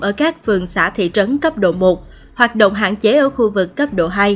ở các phường xã thị trấn cấp độ một hoạt động hạn chế ở khu vực cấp độ hai